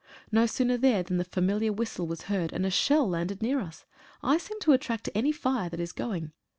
No sooner there than the familiar whistle was heard, and a shell landed near us. I seem to attract any fire that is going.